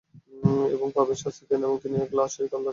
এবং পাপের শাস্তি দেন তিনি এক ও লা-শরীক আল্লাহ ছাড়া আর কেউ নন।